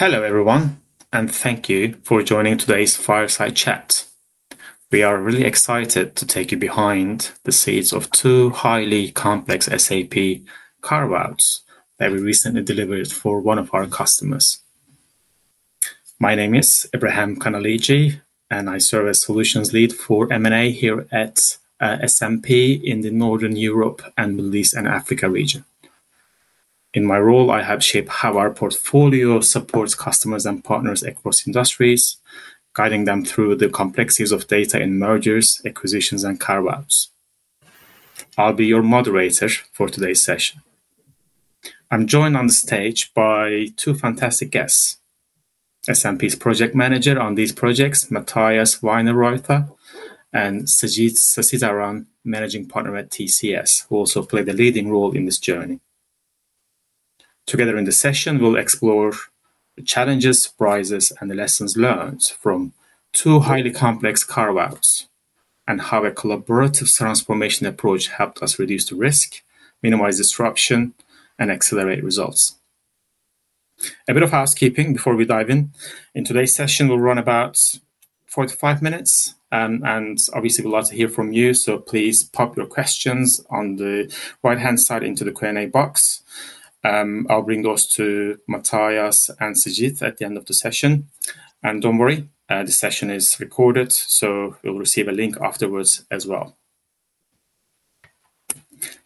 Hello everyone, and thank you for joining today's fireside chat. We are really excited to take you behind the scenes of two highly complex SAP carve-out that we recently delivered for one of our customers. My name is Ibrahim Kanalici, and I serve as Solutions Lead for M&A here at SNP in the Northern Europe, Middle East, and Africa region. In my role, I have shaped how our portfolio supports customers and partners across industries, guiding them through the complexities of data in mergers, acquisitions, and carve-out. I'll be your moderator for today's session. I'm joined on the stage by two fantastic guests: SNP's Project Manager on these projects, Matthias Wienerroither, and Sajith Sasidharan, Managing Partner at Tata Consultancy Services, who also played a leading role in this journey. Together in this session, we'll explore the challenges, rises, and lessons learned from two highly complex carve-out and how a collaborative transformation approach helped us reduce the risk, minimize disruption, and accelerate results. A bit of housekeeping before we dive in. In today's session, we'll run about 45 minutes, and obviously, we'd like to hear from you. Please pop your questions on the right-hand side into the Q&A box. I'll bring those to Matthias and Sajid at the end of the session. Don't worry, the session is recorded, so you'll receive a link afterwards as well.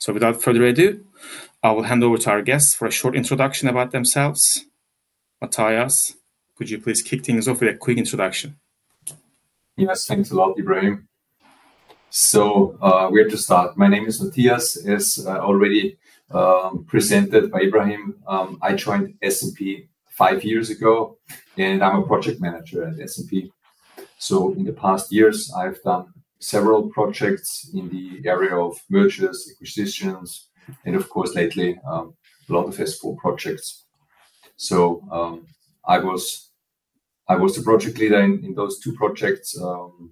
Without further ado, I will hand over to our guests for a short introduction about themselves. Matthias, could you please kick things off with a quick introduction? Yes, thanks a lot, Ibrahim. We have to start. My name is Matthias, as already presented by Ibrahim. I joined SNP five years ago, and I'm a Project Manager at SNP. In the past years, I've done several projects in the area of mergers, acquisitions, and of course, lately, a lot of S4 projects. I was the Project Leader in those two projects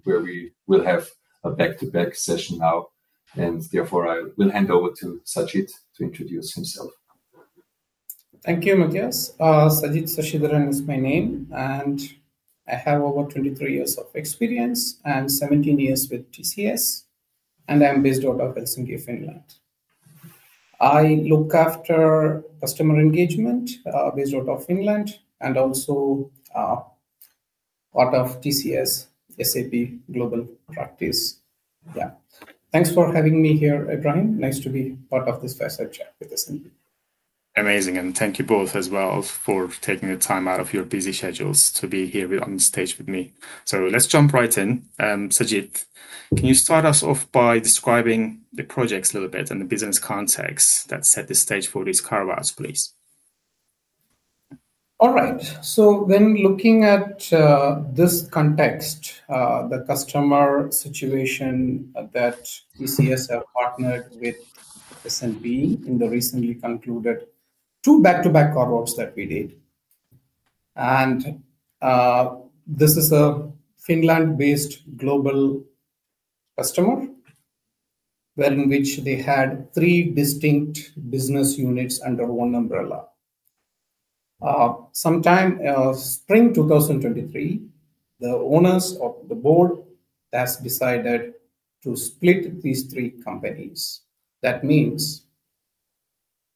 where we will have a back-to-back session now, and therefore, I will hand over to Sajid to introduce himself. Thank you, Matthias. Sajith Sasidharan is my name, and I have over 23 years of experience and 17 years with TCS, and I'm based out of Helsinki, Finland. I look after customer engagement based out of Finland and also part of TCS SAP Global Practice. Thank you for having me here, Ibrahim. Nice to be part of this fireside chat with SNP. Amazing, and thank you both as well for taking the time out of your busy schedules to be here on the stage with me. Let's jump right in. Sajid, can you start us off by describing the projects a little bit and the business context that set the stage for these carve-out, please? All right, so when looking at this context, the customer situation that Tata Consultancy Services has partnered with SNP Schneider-Neureither & Partner SE in the recently concluded two back-to-back carve-out that we did, and this is a Finland-based global customer wherein which they had three distinct business units under one umbrella. Sometime in spring 2023, the owners of the board have decided to split these three companies. That means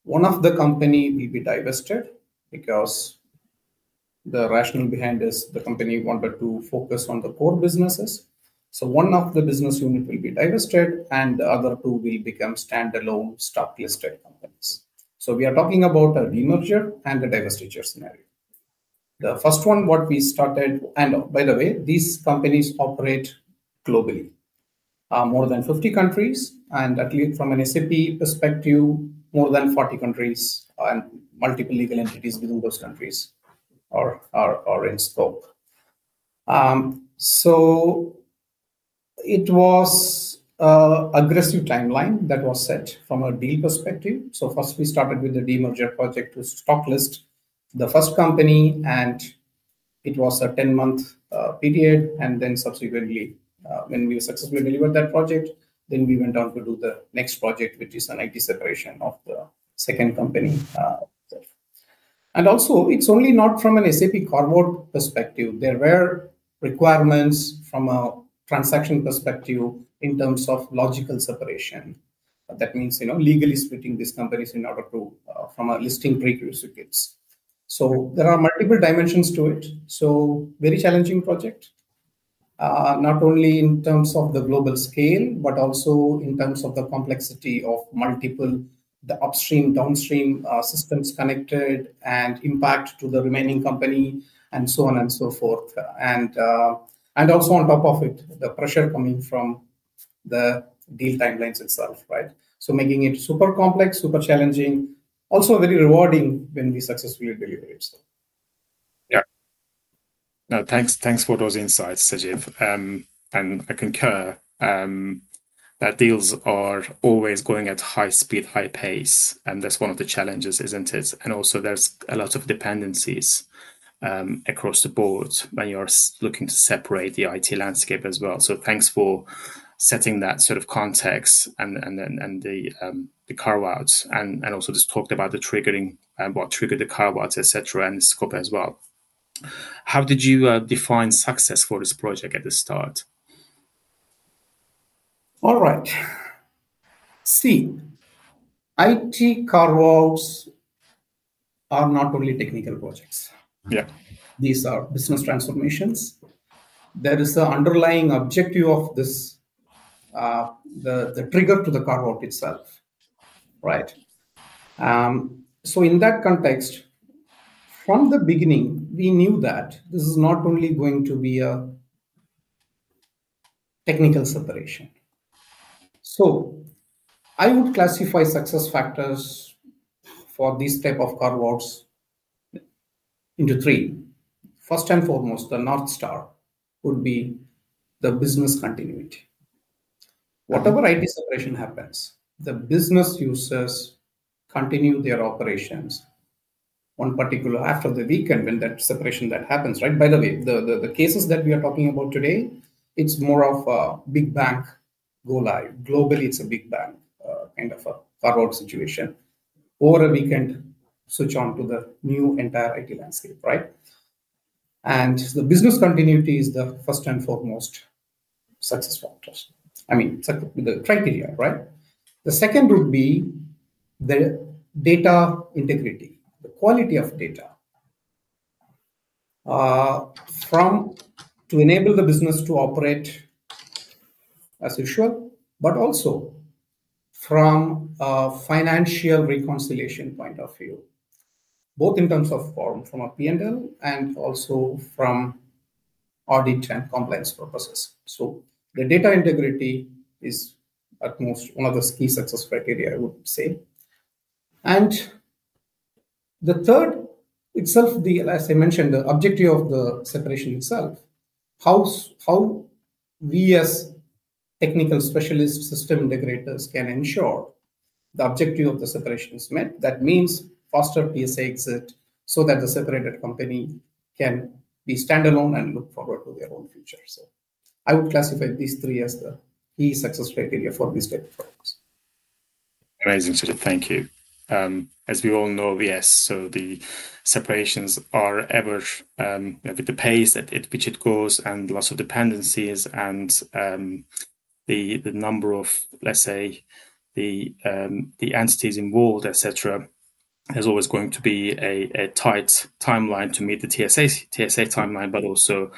one of the companies will be divested because the rationale behind this is the company wanted to focus on the core businesses. One of the business units will be divested, and the other two will become standalone stock-listed companies. We are talking about a remerger and a divestiture scenario. The first one, what we started, and by the way, these companies operate globally, more than 50 countries, and at least from an SAP perspective, more than 40 countries and multiple legal entities within those countries are in scope. It was an aggressive timeline that was set from a deal perspective. First, we started with the demerger project to stocklist the first company, and it was a 10-month period. Subsequently, when we successfully delivered that project, we went on to do the next project, which is an IP separation of the second company. Also, it's only not from an SAP carve-out perspective. There were requirements from a transaction perspective in terms of logical separation. That means, you know, legally splitting these companies in order to, from a listing pre-principles. There are multiple dimensions to it. A very challenging project, not only in terms of the global scale, but also in terms of the complexity of multiple upstream, downstream systems connected and impact to the remaining company, and so on and so forth. Also on top of it, the pressure coming from the deal timelines itself, right? Making it super complex, super challenging, also very rewarding when we successfully deliver it. Yeah, thanks for those insights, Sajid. I concur that deals are always going at high speed, high pace, and that's one of the challenges, isn't it? There's a lot of dependencies across the board when you're looking to separate the IT landscape as well. Thanks for setting that sort of context and the carve-out and also just talked about the triggering and what triggered the carve-out, et cetera, and the scope as well. How did you define success for this project at the start? All right, see, IT carve-out are not only technical projects. These are business transformations. There is an underlying objective of this, the trigger to the carve-out itself, right? In that context, from the beginning, we knew that this is not only going to be a technical separation. I would classify success factors for these types of carve-out into three. First and foremost, the North Star would be the business continuity. Whatever IP separation happens, the business users continue their operations. One particular after the weekend when that separation happens, right? By the way, the cases that we are talking about today, it's more of a big bang go live. Globally, it's a big bang kind of a carve-out situation. Over a weekend, switch on to the new entire IT landscape, right? The business continuity is the first and foremost success factors. I mean, that would be the criteria, right? The second would be the data integrity, the quality of data to enable the business to operate as usual, but also from a financial reconciliation point of view, both in terms of form from a P&L and also from audit and compliance purposes. The data integrity is at most one of the key success criteria, I would say. The third itself, as I mentioned, the objective of the separation itself, how we as technical specialists, system integrators can ensure the objective of the separation is met. That means faster PSA exit so that the separated company can be standalone and look forward to their own future. I would classify these three as the key success criteria for these types of carve-out. Amazing, Sajid, thank you. As we all know, the separations are ever, you know, with the pace at which it goes and lots of dependencies and the number of, let's say, the entities involved, et cetera, there's always going to be a tight timeline to meet the TSA timeline, but also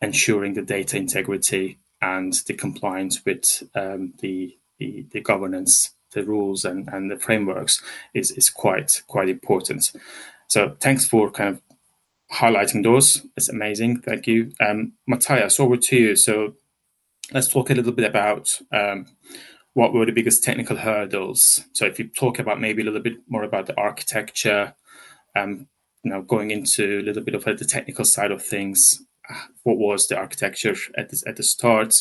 ensuring the data integrity and the compliance with the governance, the rules, and the frameworks is quite important. Thanks for kind of highlighting those. It's amazing. Thank you. Matthias, over to you. Let's talk a little bit about what were the biggest technical hurdles. If you talk about maybe a little bit more about the architecture, you know, going into a little bit of the technical side of things, what was the architecture at the start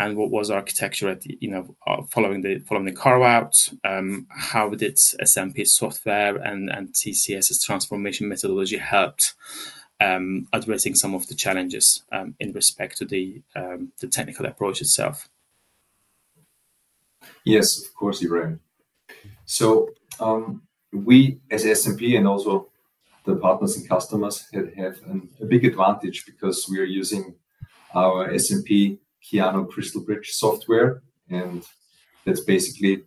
and what was the architecture at, you know, following the carve-out? How did SNP's software and TCS's transformation methodology help addressing some of the challenges in respect to the technical approach itself? Yes, of course, Ibrahim. We at SNP and also the partners and customers have a big advantage because we are using our SNP CrystalBridge software, and that's basically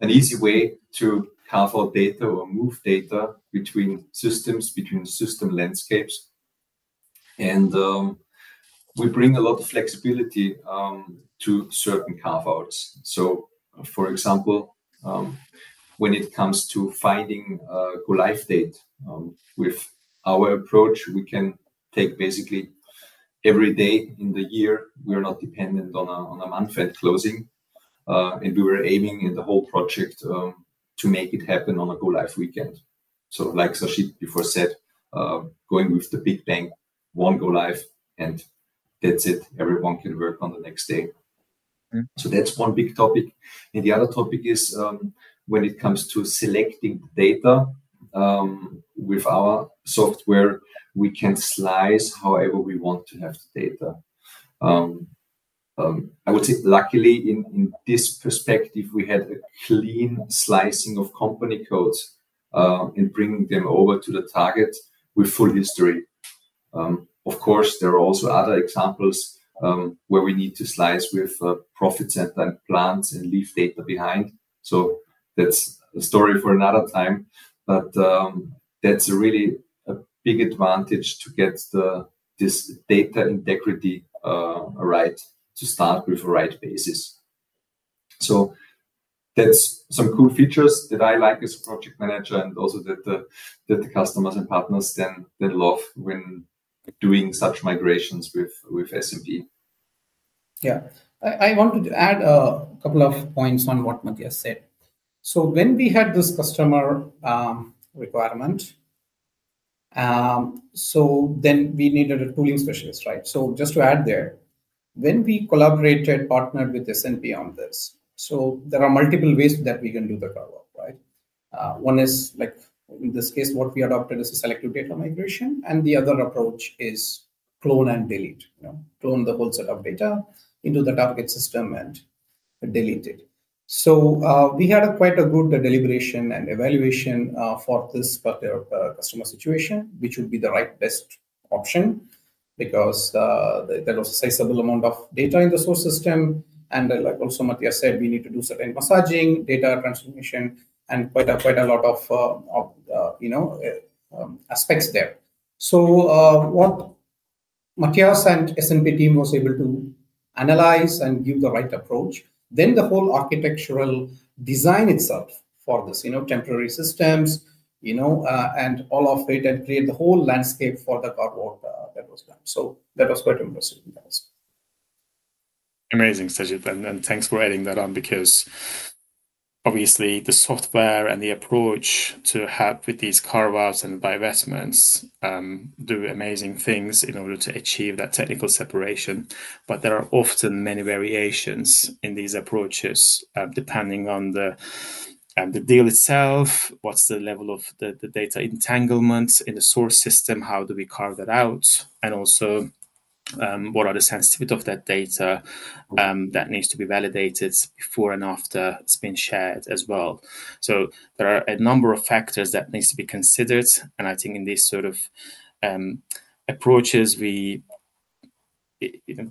an easy way to carve out data or move data between systems, between system landscapes. We bring a lot of flexibility to certain carve-out. For example, when it comes to finding a go live date, with our approach, we can take basically every day in the year. We are not dependent on a month-end closing, and we're aiming in the whole project to make it happen on a go live weekend. Like Sajid before said, going with the big bang, one go live, and that's it. Everyone can work on the next day. That's one big topic. The other topic is when it comes to selecting data with our software, we can slice however we want to have the data. I would say luckily in this perspective, we had a clean slicing of company codes and bringing them over to the target with full history. Of course, there are also other examples where we need to slice with profits and plans and leave data behind. That's a story for another time. That's really a big advantage to get this data integrity right to start with the right basis. That's some cool features that I like as a Project Manager and also that the customers and partners love when doing such migrations with SNP. Yeah, I wanted to add a couple of points on what Matthias said. When we had this customer requirement, we needed a tooling specialist, right? Just to add there, when we collaborated, partnered with SNP on this, there are multiple ways that we can do the carve-out, right? One is like in this case, what we adopted is a selective data migration, and the other approach is clone and delete. Clone the whole set of data into the target system and delete it. We had quite a good deliberation and evaluation for this particular customer situation, which would be the right best option because there was a sizable amount of data in the source system. Like also Matthias said, we need to do certain massaging data transformation and quite a lot of aspects there. What Matthias and SNP team was able to analyze and give the right approach, then the whole architectural design itself for this, you know, temporary systems, you know, and all of it and create the whole landscape for the carve-out that was done. That was quite impressive. Amazing, Sajid, and thanks for adding that on because obviously the software and the approach to help with these carve-out and divestments do amazing things in order to achieve that technical separation. There are often many variations in these approaches depending on the deal itself, what's the level of the data entanglement in the source system, how do we carve that out, and also what are the sensitivities of that data that needs to be validated before and after it's been shared as well. There are a number of factors that need to be considered, and I think in these sort of approaches, we,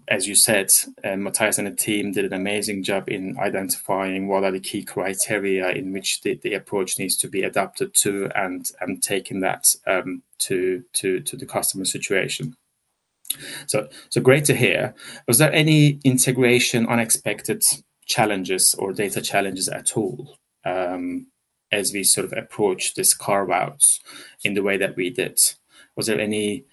as you said, Matthias and the team did an amazing job in identifying what are the key criteria in which the approach needs to be adapted to and taking that to the customer situation. Great to hear. Was there any integration, unexpected challenges, or data challenges at all as we sort of approached these carve-out in the way that we did? Was there any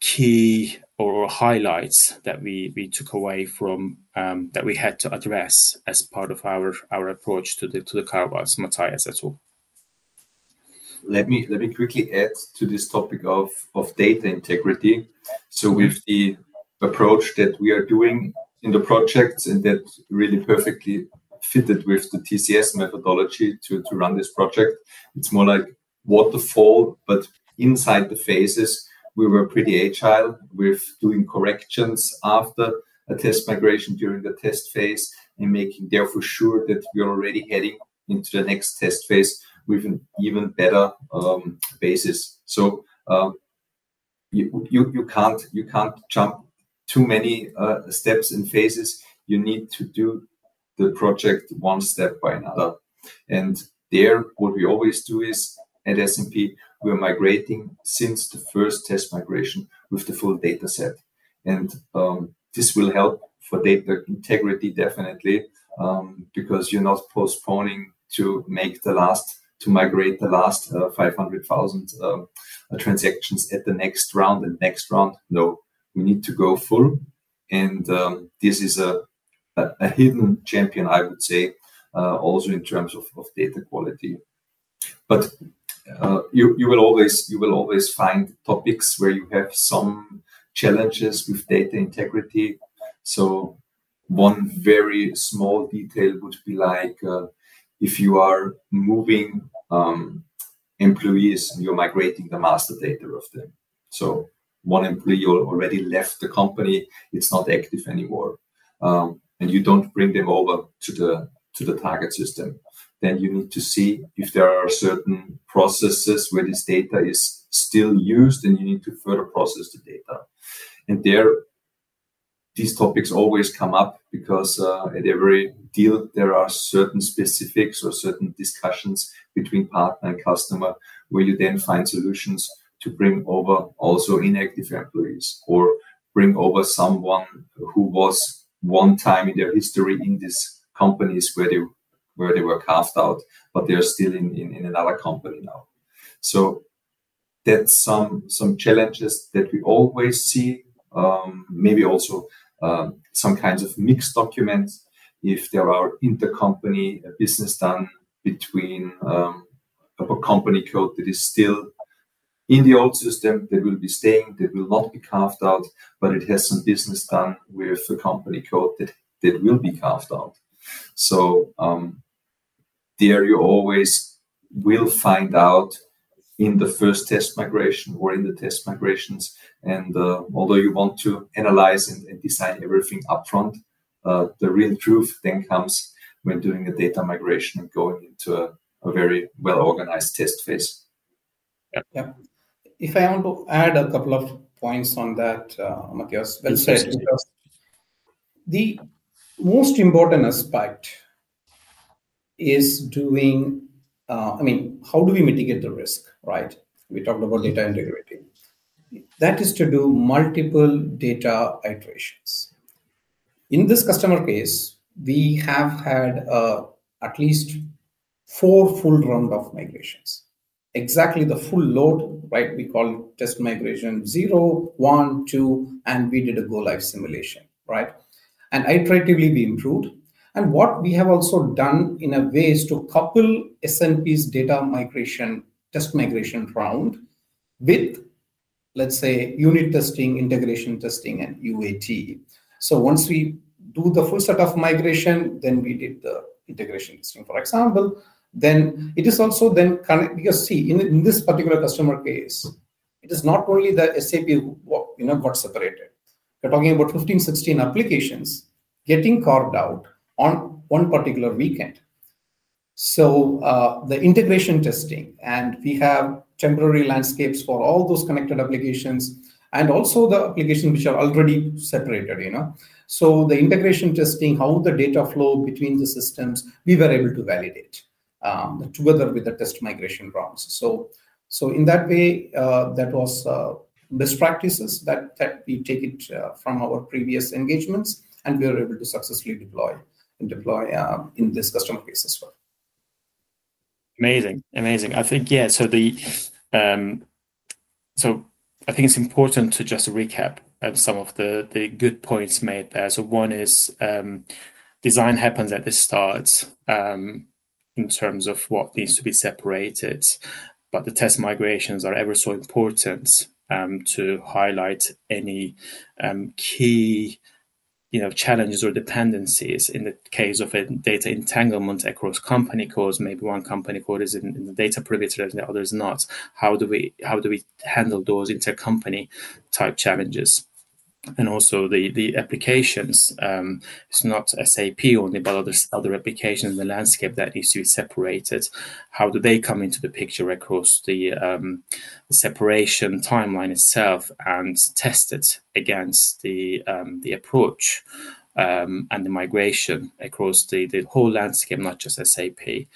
key or highlights that we took away from that we had to address as part of our approach to the carve-out? Matthias, that's all. Let me quickly add to this topic of data integrity. With the approach that we are doing in the projects and that really perfectly fitted with the TCS methodology to run this project, it's more like waterfall, but inside the phases, we were pretty agile with doing corrections after a test migration during the test phase and making therefore sure that we are already heading into the next test phase with an even better basis. You can't jump too many steps in phases. You need to do the project one step by another. What we always do at SNP, we're migrating since the first test migration with the full data set. This will help for data integrity, definitely, because you're not postponing to migrate the last 500,000 transactions at the next round and next round. No, we need to go full. This is a hidden champion, I would say, also in terms of data quality. You will always find topics where you have some challenges with data integrity. One very small detail would be like if you are moving employees and you're migrating the master data of them. One employee already left the company, is not active anymore, and you don't bring them over to the target system. You need to see if there are certain processes where this data is still used and you need to further process the data. These topics always come up because at every deal, there are certain specifics or certain discussions between partner and customer where you then find solutions to bring over also inactive employees or bring over someone who was one time in their history in these companies where they were carved out, but they're still in another company now. That's some challenges that we always see. Maybe also some kinds of mixed documents if there are inter-company business done between a company code that is still in the old system that will be staying, that will not be carved out, but it has some business done with a company code that will be carved out. You always will find out in the first test migration or in the test migrations. Although you want to analyze and design everything upfront, the real truth then comes when doing a data migration and going into a very well-organized test phase. Yeah, if I want to add a couple of points on that, Matthias, well said. The most important aspect is doing, I mean, how do we mitigate the risk, right? We talked about data integrity. That is to do multiple data iterations. In this customer case, we have had at least four full runs of migrations. Exactly the full load, right? We call it test migration 0, 1, 2, and we did a go live simulation, right? Iteratively, we improved. What we have also done in a way is to couple SNP's data migration test migration round with, let's say, unit testing, integration testing, and UAT. Once we do the full set of migration, then we did the integration testing, for example. In this particular customer case, it is not only the SAP, you know, got separated. We're talking about 15, 16 applications getting carved out on one particular weekend. The integration testing, and we have temporary landscapes for all those connected applications, and also the applications which are already separated, you know. The integration testing, how the data flow between the systems, we were able to validate together with the test migration rounds. In that way, that was best practices that we take it from our previous engagements, and we are able to successfully deploy in this customer case as well. Amazing, amazing. I think it's important to just recap some of the good points made there. One is design happens at the start in terms of what needs to be separated, but the test migrations are ever so important to highlight any key challenges or dependencies in the case of a data entanglement across company codes. Maybe one company code is in the data privilege and the other is not. How do we handle those inter-company type challenges? Also, the applications, it's not SAP only, but other applications in the landscape that need to be separated. How do they come into the picture across the separation timeline itself and test it against the approach and the migration across the whole landscape, not just SAP?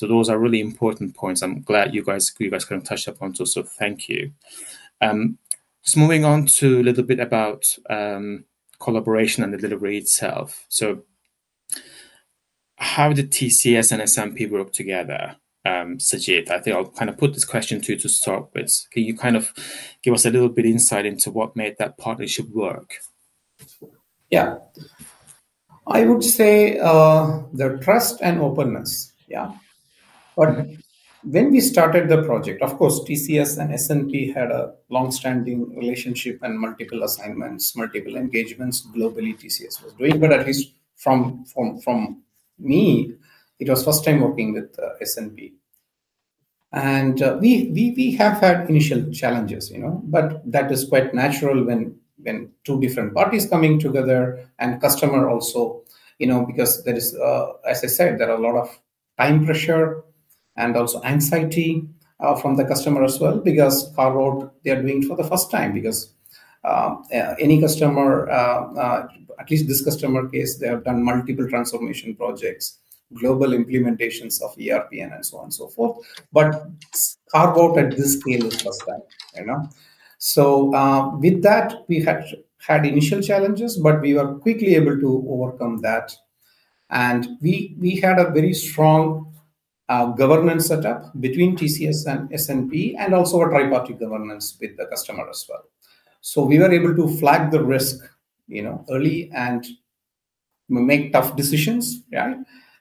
Those are really important points. I'm glad you guys kind of touched upon those, so thank you. Moving on to a little bit about collaboration and the delivery itself. How did Tata Consultancy Services and SNP work together, Sajid? I think I'll put this question to you to start with. Can you give us a little bit of insight into what made that partnership work? Yeah, I would say their trust and openness. When we started the project, of course, TCS and SNP had a long-standing relationship and multiple assignments, multiple engagements globally TCS was doing. At least from me, it was the first time working with SNP. We have had initial challenges, you know, but that is quite natural when two different parties are coming together and the customer also, you know, because there is, as I said, a lot of time pressure and also anxiety from the customer as well because carve-out they are doing for the first time. Any customer, at least this customer case, they have done multiple transformation projects, global implementations of ERP and so on and so forth. Carve-out at this scale is the first time, you know. With that, we had initial challenges, but we were quickly able to overcome that. We had a very strong governance setup between TCS and SNP and also a tripartite governance with the customer as well. We were able to flag the risk early and make tough decisions, yeah,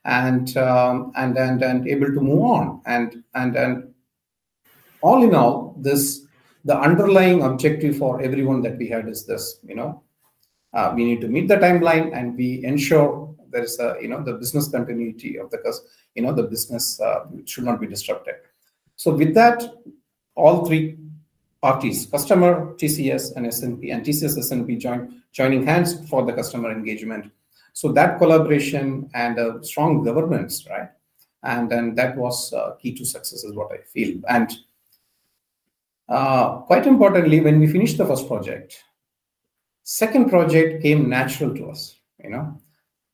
and then able to move on. All in all, the underlying objective for everyone that we had is this, you know, we need to meet the timeline and we ensure there is a, you know, the business continuity of the, you know, the business should not be disrupted. With that, all three parties, customer, TCS, and SNP, and TCS and SNP joining hands for the customer engagement. That collaboration and a strong governance, right? That was key to success is what I feel. Quite importantly, when we finished the first project, the second project came natural to us, you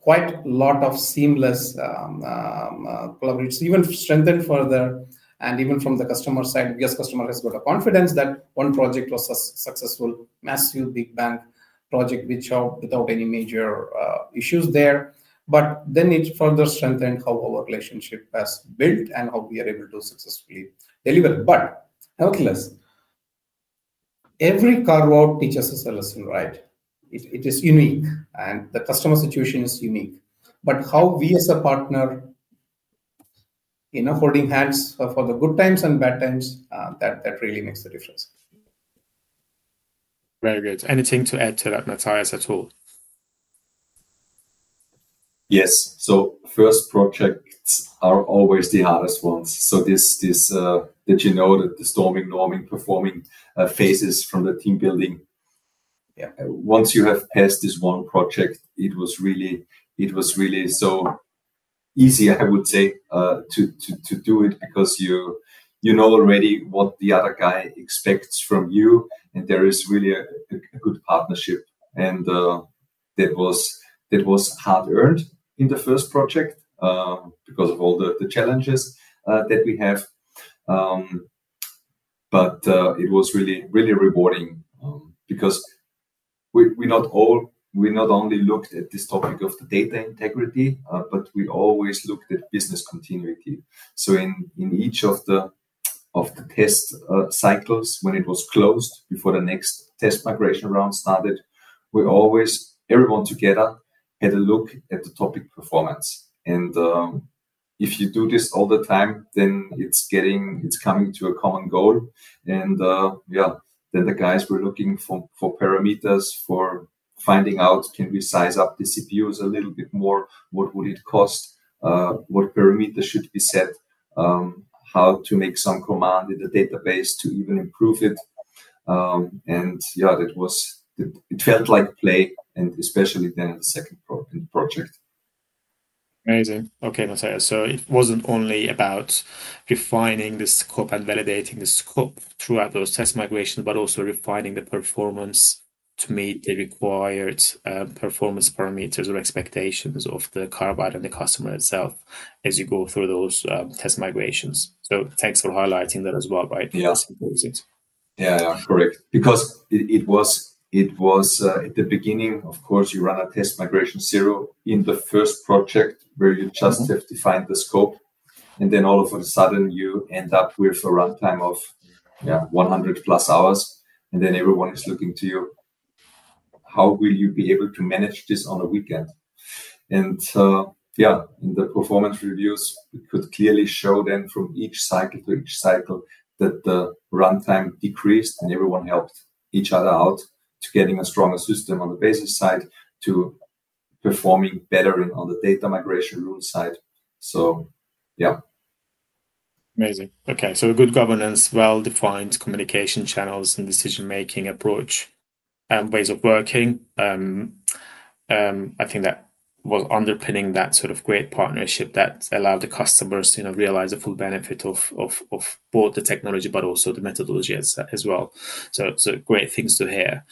know, quite a lot of seamless collaboration, even strengthened further. Even from the customer side, because the customer has got a confidence that one project was successful, massive, big bang project, which helped without any major issues there. It further strengthened how our relationship has built and how we are able to successfully deliver. Nevertheless, every carve-out teaches us a lesson, right? It is unique and the customer situation is unique. How we as a partner are holding hands for the good times and bad times, that really makes a difference. Very good. Anything to add to that, Matthias, at all? Yes, first projects are always the hardest ones. Did you know the storming, norming, performing phases from the team building? Once you have passed this one project, it was really so easy, I would say, to do it because you know already what the other guy expects from you and there is really a good partnership. That was hard-earned in the first project because of all the challenges that we have. It was really, really rewarding because we not only looked at this topic of the data integrity, but we always looked at business continuity. In each of the test cycles, when it was closed before the next test migration round started, everyone together had a look at the topic performance. If you do this all the time, then it's coming to a common goal. The guys were looking for parameters, for finding out can we size up the CPUs a little bit more, what would it cost, what parameters should be set, how to make some command in the database to even improve it. It felt like play, and especially in the second project. Amazing. Okay, Matthias, it wasn't only about refining the scope and validating the scope throughout those test migrations, but also refining the performance to meet the required performance parameters or expectations of the carve-out and the customer itself as you go through those test migrations. Thanks for highlighting that as well, right? Correct. It was at the beginning, of course, you run a test migration zero in the first project where you just have to find the scope. All of a sudden, you end up with a runtime of 100+ hours. Everyone is looking to you, how will you be able to manage this on a weekend? In the performance reviews, you could clearly show them from each cycle to each cycle that the runtime decreased and everyone helped each other out to get a stronger system on the basis side to performing better on the data migration rule side. Amazing. Okay, good governance, well-defined communication channels, and decision-making approach and ways of working. I think that was underpinning that sort of great partnership that allowed the customers to realize the full benefit of both the technology, but also the methodology as well. Great things to hear.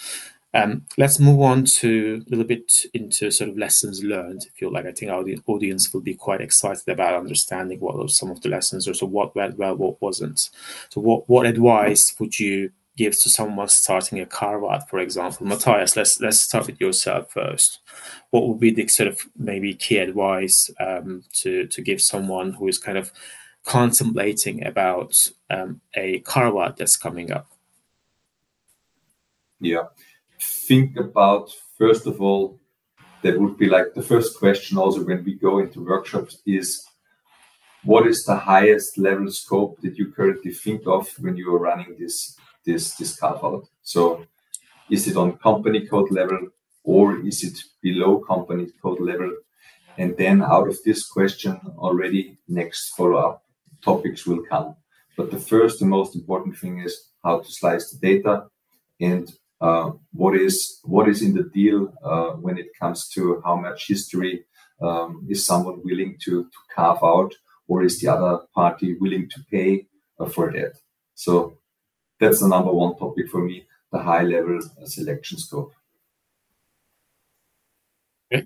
Let's move on a little bit into lessons learned. I think our audience will be quite excited about understanding what some of the lessons are, what went well, what wasn't. What advice would you give to someone starting a carve-out, for example? Matthias, let's start with yourself first. What would be the key advice to give someone who is contemplating a carve-out that's coming up? Yeah, think about, first of all, that would be like the first question also when we go into workshops: what is the highest level scope that you currently think of when you are running this carve-out? Is it on company code level or is it below company code level? Out of this question, already next follow-up topics will come. The first and most important thing is how to slice the data and what is in the deal when it comes to how much history is someone willing to carve out or is the other party willing to pay for that. That's the number one topic for me, the high-level selection scope.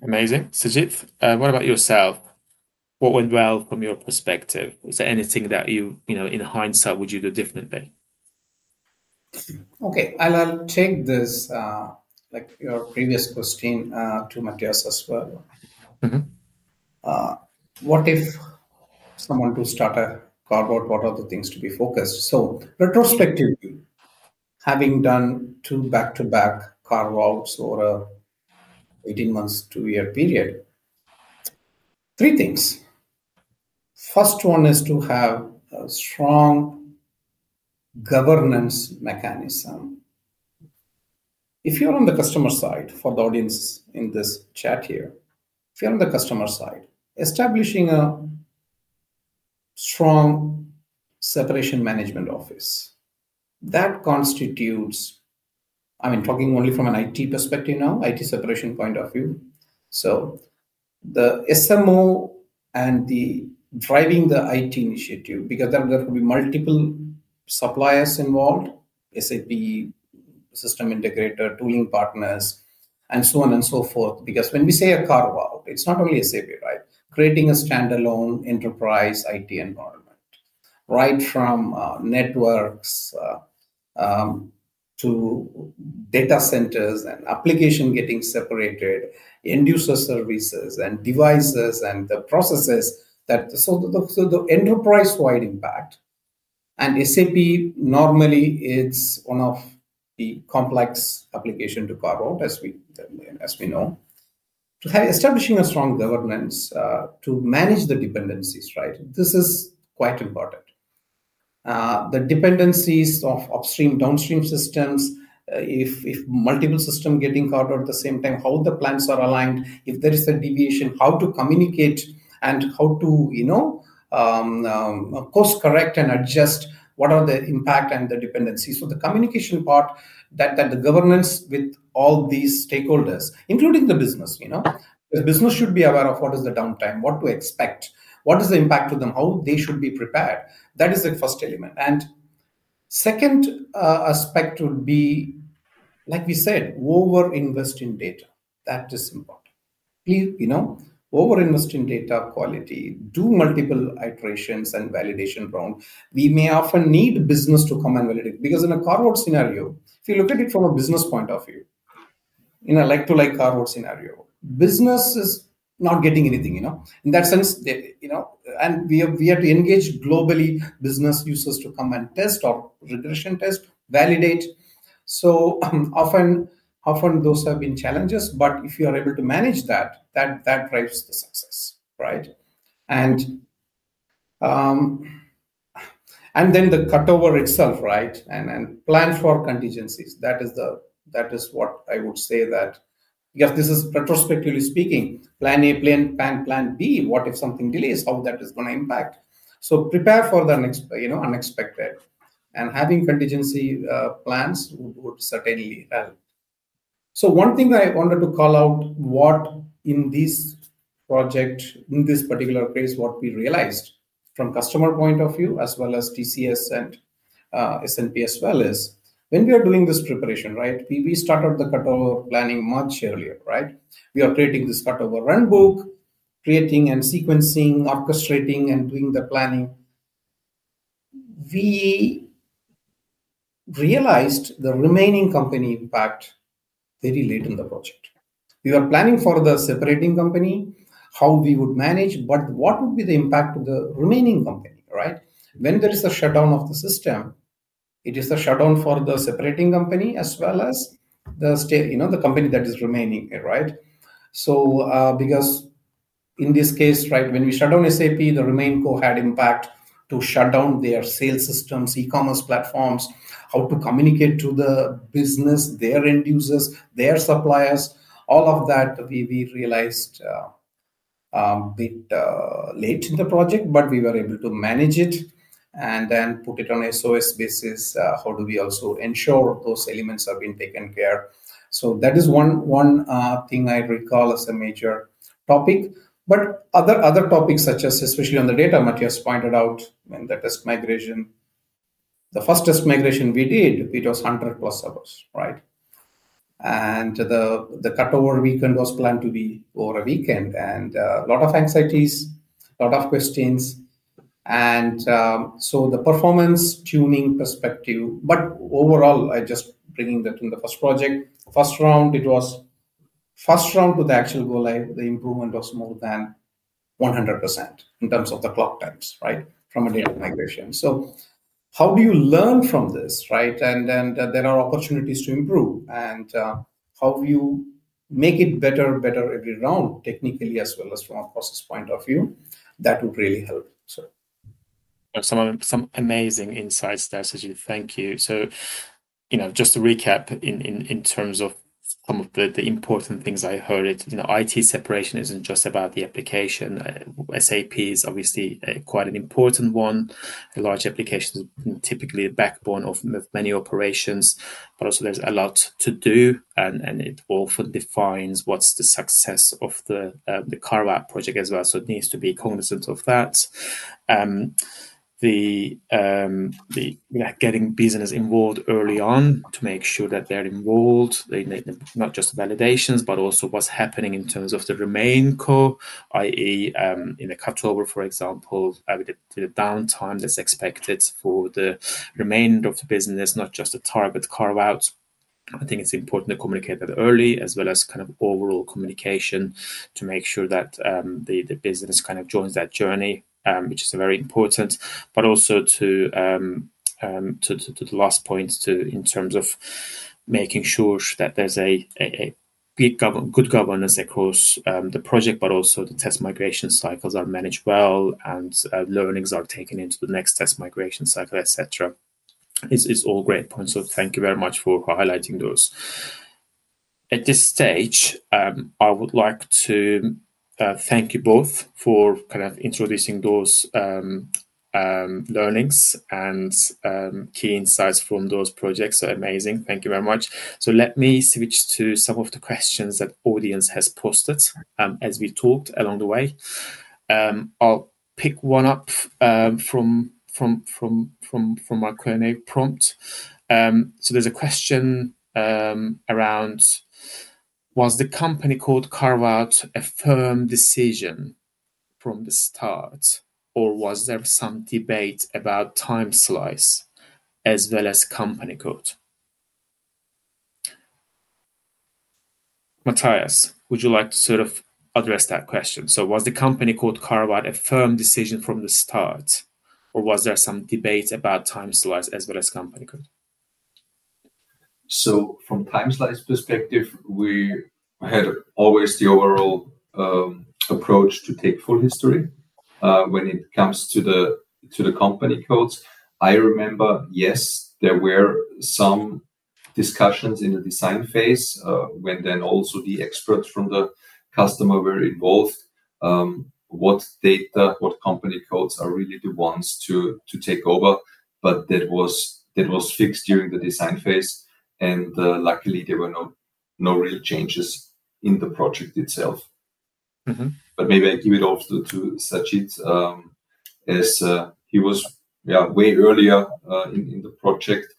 Amazing. Sajid, what about yourself? What went well from your perspective? Is there anything that you, in hindsight, would you do differently? Okay, I'll check this, like your previous question to Matthias as well. What if someone wants to start a carve-out, what are the things to be focused on? Retrospectively, having done two back-to-back carve-out over an 18-month, two-year period, three things. First one is to have a strong governance mechanism. If you're on the customer side, for the audience in this chat here, if you're on the customer side, establishing a strong separation management office, that constitutes, I mean, talking only from an IT perspective now, IT separation point of view. The SMO and driving the IT initiative, because there could be multiple suppliers involved, SAP, system integrator, tooling partners, and so on and so forth. When we say a carve-out, it's not only SAP, right? Creating a standalone enterprise IT environment, right from networks to data centers and application getting separated, end-user services and devices and the processes, so the enterprise-wide impact. SAP normally, it's one of the complex applications to carve out, as we know. Establishing a strong governance to manage the dependencies, right? This is quite important. The dependencies of upstream, downstream systems, if multiple systems are getting carved out at the same time, how the plans are aligned, if there is a deviation, how to communicate and how to, you know, course-correct and adjust what are the impact and the dependencies. The communication part, the governance with all these stakeholders, including the business, you know, because business should be aware of what is the downtime, what to expect, what is the impact to them, how they should be prepared. That is the first element. The second aspect would be, like we said, over-invest in data. That is important. Clear, you know, over-invest in data quality, do multiple iterations and validation rounds. We may often need business to come and validate. In a carve-out scenario, if you look at it from a business point of view, in a like-to-like carve-out scenario, business is not getting anything, you know, in that sense, you know, and we have to engage globally business users to come and test our integration test, validate. Often, often those have been challenges, but if you are able to manage that, that drives the success, right? The cutover itself, right, and plan for contingencies. That is what I would say that, yes, this is retrospectively speaking, plan A, plan B, what if something delays, how that is going to impact. Prepare for the next, you know, unexpected. Having contingency plans would certainly help. One thing I wanted to call out, in this project, in this particular case, what we realized from a customer point of view, as well as Tata Consultancy Services and SNP Schneider-Neureither & Partner SE as well, is when we are doing this preparation, we started the cutover planning much earlier. We are creating this cutover runbook, creating and sequencing, orchestrating, and doing the planning. We realized the remaining company impact very late in the project. We were planning for the separating company, how we would manage, but what would be the impact to the remaining company, right? When there is a shutdown of the system, it is a shutdown for the separating company as well as the, you know, the company that is remaining here. In this case, when we shut down SAP, the remaining core had impact to shut down their sales systems, e-commerce platforms, how to communicate to the business, their end users, their suppliers, all of that we realized a bit late in the project, but we were able to manage it and then put it on SOS basis. How do we also ensure those elements have been taken care? That is one thing I recall as a major topic. Other topics, such as especially on the data Matthias pointed out, when the test migration, the first test migration we did, it was 100+ hours. The cutover weekend was planned to be over a weekend and a lot of anxieties, a lot of questions. From the performance tuning perspective, overall, just bringing that in the first project, first round, it was first round to the actual go live, the improvement was more than 100% in terms of the clock times from a data migration. How do you learn from this? There are opportunities to improve. How do you make it better, better every round technically, as well as from a process point of view, that would really help. That's some amazing insights there, Sajid. Thank you. Just to recap in terms of some of the important things I heard, it's, you know, IT separation isn't just about the application. SAP is obviously quite an important one. A large application is typically a backbone of many operations, but also there's a lot to do, and it often defines what's the success of the carve-out project as well. It needs to be cognizant of that. Getting business involved early on to make sure that they're involved, not just validations, but also what's happening in terms of the remaining core, i.e., in the cutover, for example, with the downtime that's expected for the remainder of the business, not just the target carve-out. I think it's important to communicate that early, as well as kind of overall communication to make sure that the business kind of joins that journey, which is very important. Also, to the last point, in terms of making sure that there's a good governance across the project, the test migration cycles are managed well and learnings are taken into the next test migration cycle, etc. It's all great points. Thank you very much for highlighting those. At this stage, I would like to thank you both for introducing those learnings and key insights from those projects. Amazing. Thank you very much. Let me switch to some of the questions that the audience has posted as we talked along the way. I'll pick one up from my Q&A prompt. There's a question around, was the company called carve-out a firm decision from the start, or was there some debate about time slice as well as company code? Matthias, would you like to address that question? Was the company called carve-out a firm decision from the start, or was there some debate about time slice as well as company code? From a time slice perspective, we had always the overall approach to take full history. When it comes to the company code, I remember, yes, there were some discussions in the design phase when then also the experts from the customer were involved. What data, what company codes are really the ones to take over, that was fixed during the design phase. Luckily, there were no real changes in the project itself. Maybe I give it off to Sajid as he was way earlier in the project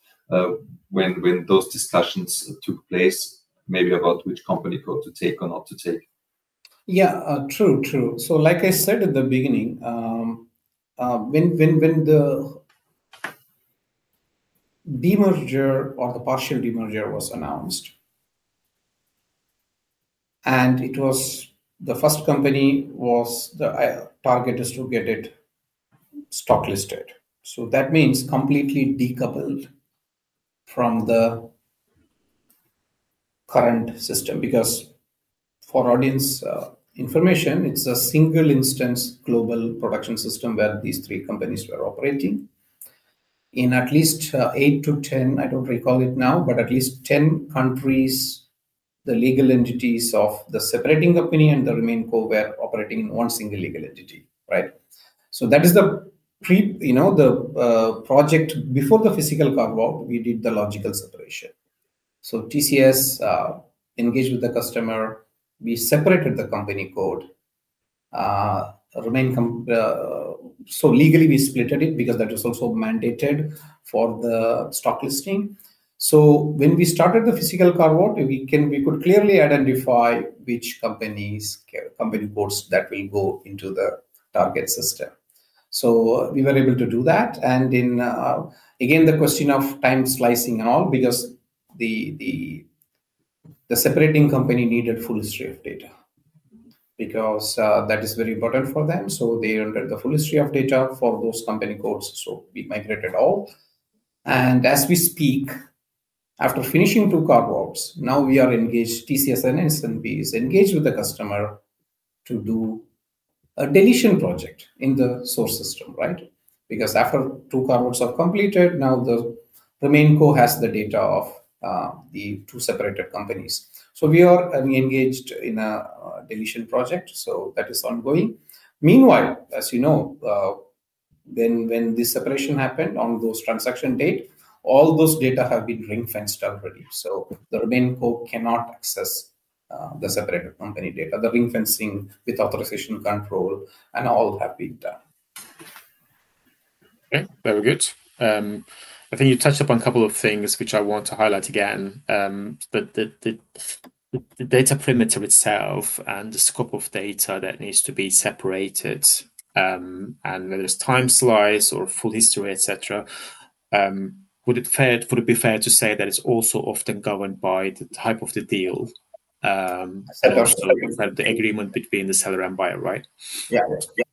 when those discussions took place, maybe about which company code to take or not to take. Yeah, true, true. Like I said in the beginning, when the demerger or the partial demerger was announced, and it was the first company was the target distributed stock-listed. That means completely decoupled from the current system because for audience information, it's a single instance global production system where these three companies were operating in at least eight to 10, I don't recall it now, but at least 10 countries. The legal entities of the separating company and the remaining code were operating in one single legal entity, right? That is the pre, you know, the project before the physical carve-out, we did the logical separation. TCS engaged with the customer, we separated the company code. Legally, we splitted it because that was also mandated for the stock listing. When we started the physical carve-out, we could clearly identify which companies, company codes that will go into the target system. We were able to do that. In, again, the question of time slicing and all, because the separating company needed full history of data because that is very important for them. They entered the full history of data for those company codes. We migrated all. As we speak, after finishing two carve-out, now we are engaged, TCS and SNP is engaged with the customer to do a deletion project in the source system, right? After two carve-out are completed, now the main code has the data of the two separated companies. We are engaged in a deletion project. That is ongoing. Meanwhile, as you know, when this separation happened on those transaction dates, all those data have been ring-fenced already. The remaining code cannot access the separated company data. The ring-fencing with authorization control and all have been done. Okay, very good. I think you touched upon a couple of things, which I want to highlight again. The data primitive itself and the scope of data that needs to be separated, and whether it's time slice or full history, et cetera, would it be fair to say that it's also often governed by the type of the deal and also the agreement between the seller and buyer, right? Yeah, yeah.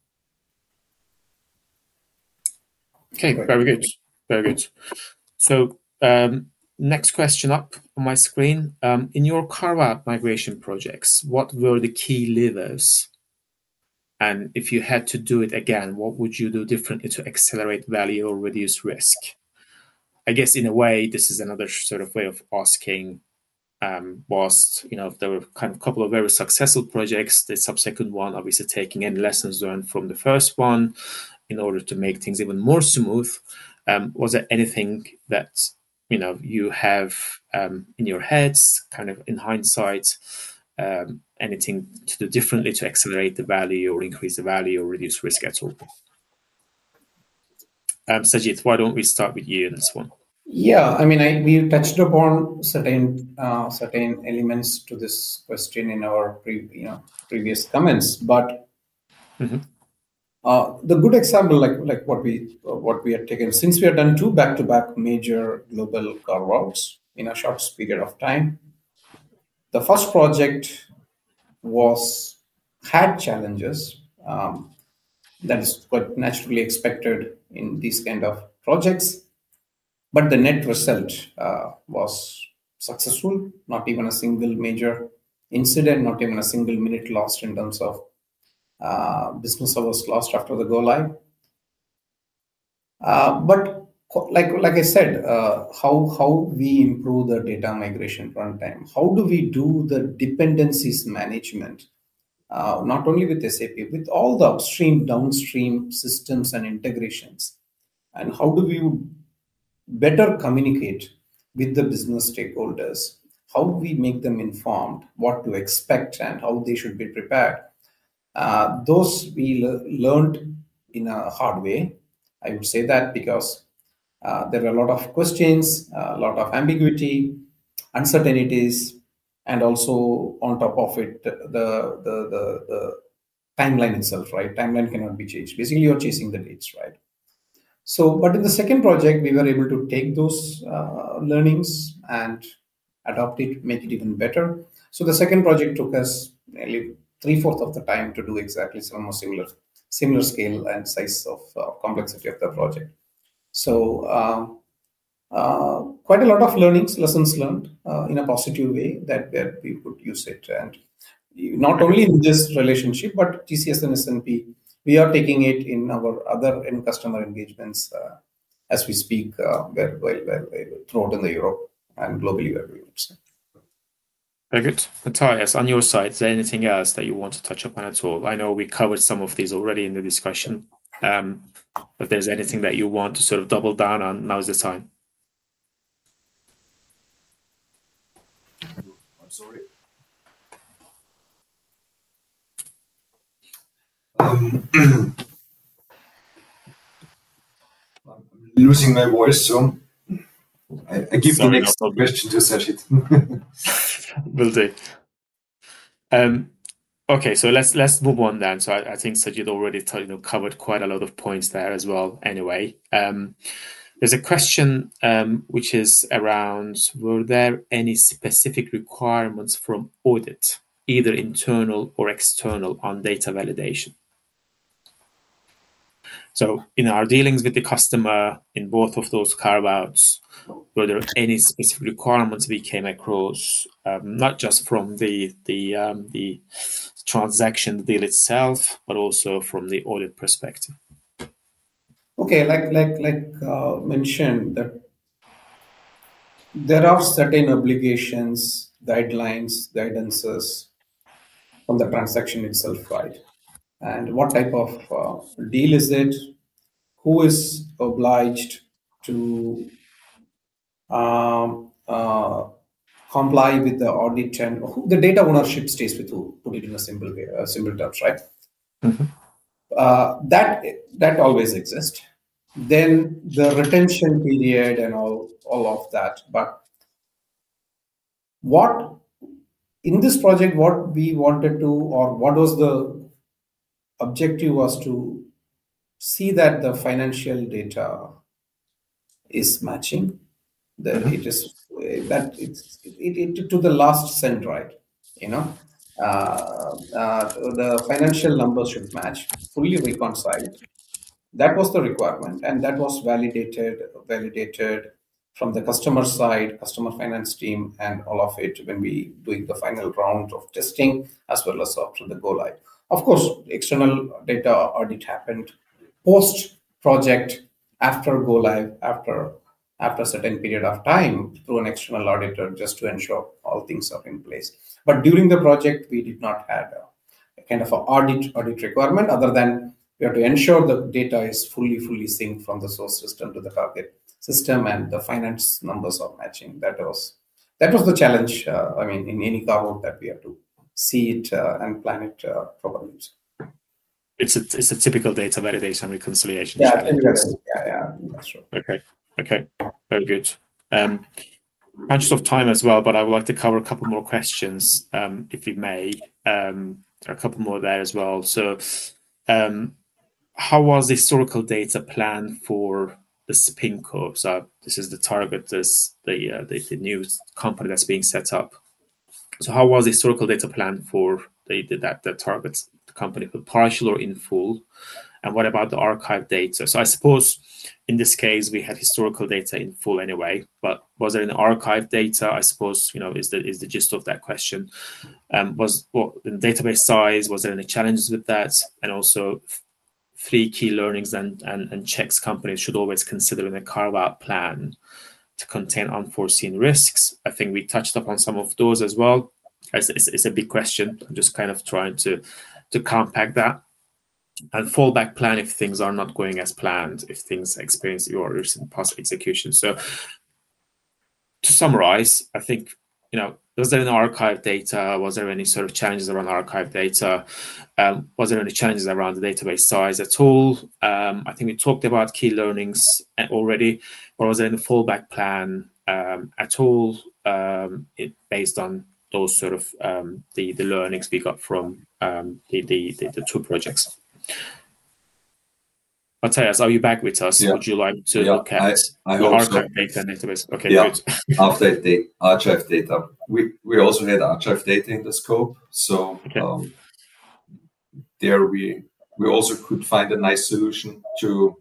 Okay, very good. Very good. Next question up on my screen. In your carve-out migration projects, what were the key levers? If you had to do it again, what would you do differently to accelerate value or reduce risk? I guess in a way, this is another sort of way of asking, was there kind of a couple of very successful projects, the subsequent one obviously taking any lessons learned from the first one in order to make things even more smooth. Was there anything that you have in your heads, kind of in hindsight, anything to do differently to accelerate the value or increase the value or reduce risk at all? Sajid, why don't we start with you in this one? Yeah, I mean, we touched upon certain elements to this question in our previous comments. A good example, like what we had taken, since we had done two back-to-back major global carve-out in a short period of time, the first project had challenges. That is what is naturally expected in these kinds of projects. The net result was successful, not even a single major incident, not even a single minute lost in terms of business hours lost after the go-live. Like I said, how we improve the data migration runtime, how do we do the dependencies management, not only with SAP, with all the downstream systems and integrations, and how do we better communicate with the business stakeholders? How do we make them informed what to expect and how they should be prepared? Those we learned in a hard way. I would say that because there were a lot of questions, a lot of ambiguity, uncertainties, and also on top of it, the timeline itself, right? Timeline cannot be changed. Basically, you're chasing the dates, right? In the second project, we were able to take those learnings and adopt it, make it even better. The second project took us three-fourths of the time to do exactly some similar scale and size of complexity of the project. Quite a lot of learnings, lessons learned in a positive way that we could use it. Not only in this relationship, but TCS and SNP, we are taking it in our other end customer engagements as we speak throughout in Europe and globally. Very good. Matthias, on your side, is there anything else that you want to touch upon at all? I know we covered some of these already in the discussion, but is there anything that you want to sort of double down on? Now's the time. Sorry, losing my voice. I give you an extra question to Sajid. Okay, let's move on then. I think Sajid already covered quite a lot of points there as well anyway. There's a question which is around, were there any specific requirements from audit, either internal or external, on data validation? In our dealings with the customer in both of those carve-out, were there any specific requirements we came across, not just from the transaction, the deal itself, but also from the audit perspective? Okay, like I mentioned, there are certain obligations, guidelines, guidances on the transaction itself, right? What type of deal is it? Who is obliged to comply with the audit and who the data ownership stays with, who put it in simple terms, right? That always exists. The retention period and all of that. What in this project, what we wanted to, or what was the objective was to see that the financial data is matching. It is that it took to the last cent, right? You know, the financial numbers should match fully reconciled. That was the requirement. That was validated from the customer side, customer finance team, and all of it when we do the final round of testing as well as up to the go live. Of course, external data audit happened post-project, after go live, after a certain period of time through an external auditor just to ensure all things are in place. During the project, we did not have a kind of audit requirement other than we had to ensure that data is fully, fully synced from the source system to the target system and the finance numbers are matching. That was the challenge, I mean, in any carve-out that we had to see and plan it. It's a typical data validation, reconciliation. Yeah, interest. Yeah, sure. Okay, okay, very good. I'm conscious of time as well, but I would like to cover a couple more questions, if you may. A couple more there as well. How was the historical data planned for the target company? Partial or in full? What about the archived data? I suppose in this case, we had historical data in full anyway, but was there any archived data? I suppose, you know, that's the gist of that question. Was there any challenge with that in the database size? Were there any challenges with that? Also, three key learnings and checks companies should always consider in their carve-out plan to contain unforeseen risks. I think we touched upon some of those as well. It's a big question. I'm just trying to compact that and fallback plan if things are not going as planned, if things experience errors in past execution. To summarize, I think, you know, was there any archived data? Was there any sort of challenges around archived data? Was there any challenges around the database size at all? I think we talked about key learnings already. Was there any fallback plan at all based on those, sort of, the learnings we got from the two projects? Matthias, are you back with us? Would you like to look at archived data in the database? Yeah, archived data. We also had archived data in the scope. There we also could find a nice solution to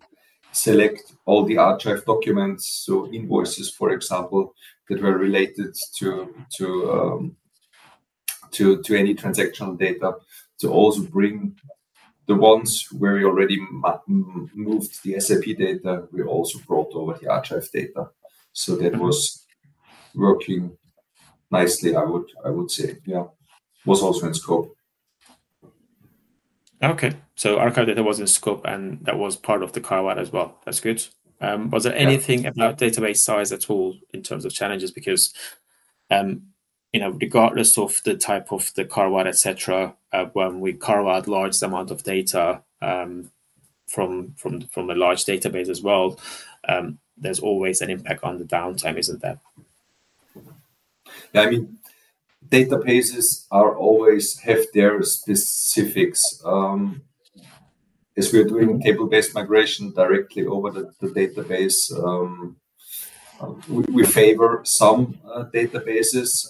select all the archived documents, so invoices, for example, that were related to any transactional data, to also bring the ones where we already moved the SAP data. We also brought over the archived data. That was working nicely, I would say. Yeah, was also in scope. Okay, so archived data was in scope and that was part of the carve-out as well. That's good. Was there anything about database size at all in terms of challenges? Because, you know, regardless of the type of the carve-out, et cetera, when we carve out a large amount of data from a large database as well, there's always an impact on the downtime, isn't there? Yeah, I mean, databases always have their specifics. As we're doing table-based migration directly over the database, we favor some databases.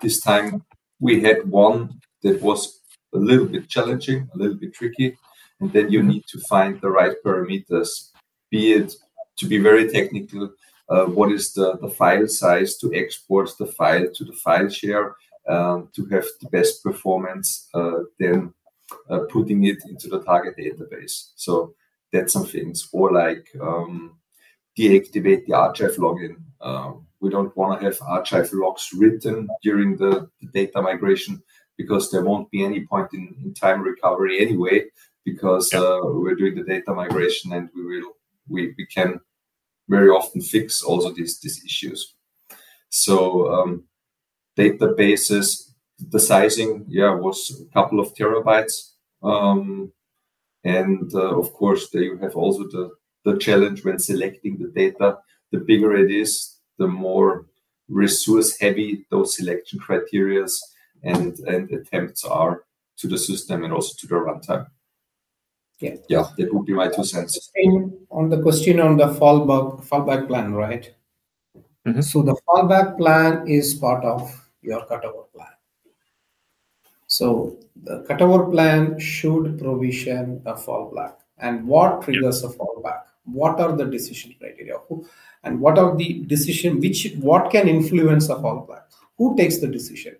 This time we had one that was a little bit challenging, a little bit tricky. You need to find the right parameters, be it to be very technical. What is the file size to export the file to the file share to have the best performance than putting it into the target database? That's something, or like deactivate the archive logging. We don't want to have archive logs written during the data migration because there won't be any point-in-time recovery anyway because we're doing the data migration and we can, very often, fix all of these issues. Databases, the sizing, yeah, was a couple of terabytes. Of course, there you have also the challenge when selecting the data. The bigger it is, the more resource-heavy those selection criteria and attempts are to the system and also to the runtime. Yeah, that would be my two cents. Same on the question on the fallback plan, right? The fallback plan is part of your cutover plan. The cutover plan should provision a fallback. What triggers the fallback? What are the decision criteria? What are the decisions, what can influence the fallback? Who takes the decision?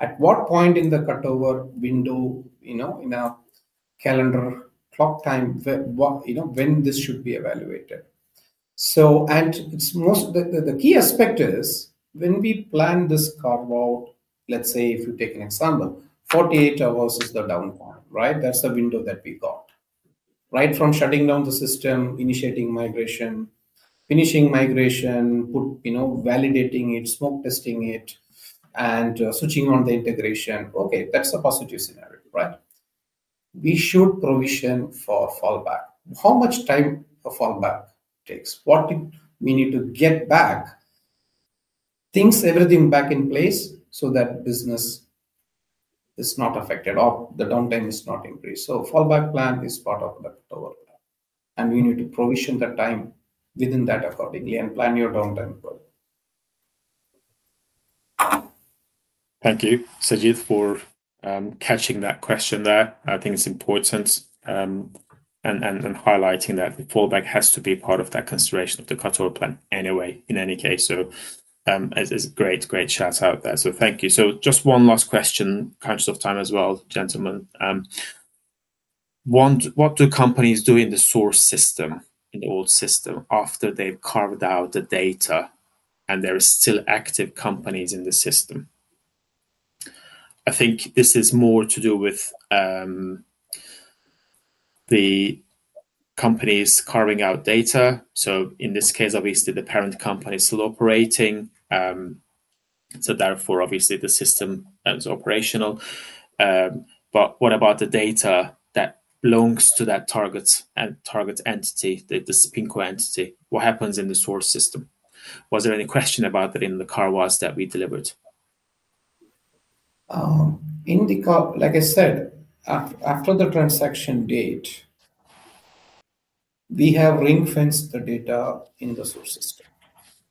At what point in the cutover window, in a calendar clock time, when this should be evaluated? Most of the key aspect is when we plan this carve-out, let's say if you take an example, 48 hours is the downtime, right? That's the window that we got, right? From shutting down the system, initiating migration, finishing migration, validating it, smoke testing it, and switching on the integration. That's a positive scenario, right? We should provision for fallback. How much time a fallback takes? What we need to get back, things everything back in place so that business is not affected or the downtime is not increased. A fallback plan is part of the cutover plan. You need to provision the time within that accordingly and plan your downtime for it. Thank you, Sajid, for catching that question there. I think it's important and highlighting that the fallback has to be part of that consideration of the cutover plan anyway, in any case. It's a great, great shout out there. Thank you. Just one last question, conscious of time as well, gentlemen. What do companies do in the source system, in the old system, after they've carved out the data and there are still active companies in the system? I think this is more to do with the companies carving out data. In this case, obviously, the parent company is still operating. Therefore, obviously, the system is operational. What about the data that belongs to that target entity, the Supreme Court entity? What happens in the source system? Was there any question about that in the carve-out that we delivered? You know, like I said, after the transaction date, we have ring-fenced the data in the source system.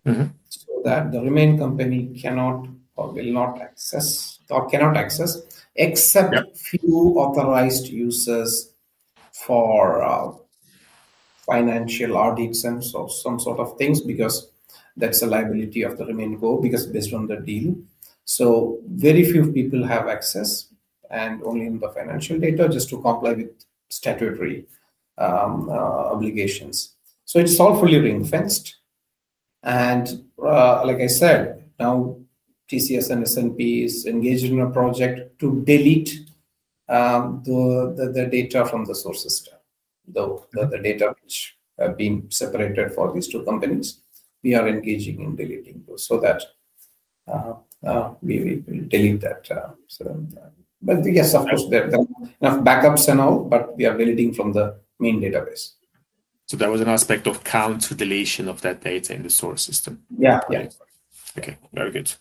The remaining company cannot or will not access or cannot access except a few authorized users for financial audits or some sort of things because that's a liability of the remaining code because based on the deal. Very few people have access and only in the financial data just to comply with statutory obligations. It's all fully ring-fenced. Like I said, now Tata Consultancy Services and SNP Schneider-Neureither & Partner SE is engaged in a project to delete the data from the source system, the data which have been separated for these two companies. We are engaging in deleting those so that we delete that. Yes, of course, there are enough backups and all, but we are deleting from the main database. That was an aspect of post-carve-out data deletion of that data in the source system. Yeah, correct. Okay, very good.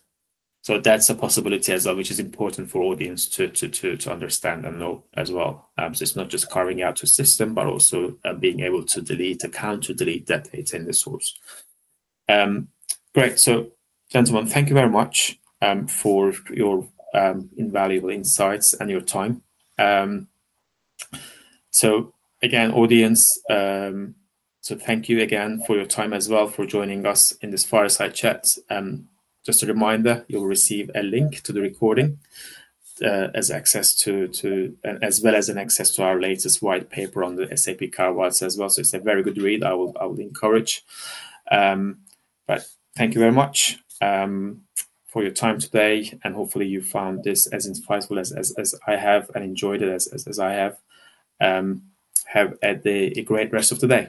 That's a possibility as well, which is important for the audience to understand and know as well. It's not just carving out a system, but also being able to delete, account to delete that data in the source. Great. Gentlemen, thank you very much for your invaluable insights and your time. Again, audience, thank you again for your time as well for joining us in this fireside chat. Just a reminder, you'll receive a link to the recording as access to, and as well as access to our latest white paper on the SAP carve-out as well. It's a very good read. I will encourage. Thank you very much for your time today. Hopefully, you found this as insightful as I have and enjoyed it as I have. Have a great rest of the day.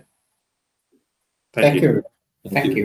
Thank you. Thank you. Thank you.